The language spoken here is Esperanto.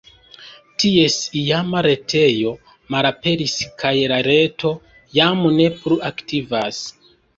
Ties iama retejo malaperis kaj la reto jam ne plu aktivas.